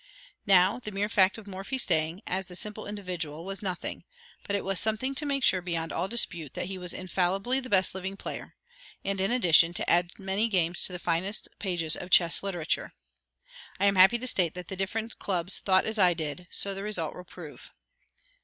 Now, the mere fact of Morphy staying, as the simple individual, was nothing; but it was something to make sure beyond all dispute that he was infallibly the best living player; and, in addition, to add many games to the finest pages of chess literature. I am happy to state that the different clubs thought as I did; so the result will prove.